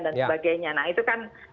dan sebagainya nah itu kan